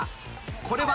これは。